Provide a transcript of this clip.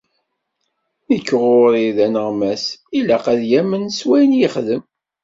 Nekk ɣur-i aneɣmas, ilaq ad yamen s wayen i yexdem.